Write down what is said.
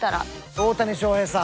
大谷翔平さん。